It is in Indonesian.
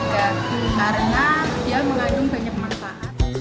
karena dia mengandung banyak manfaat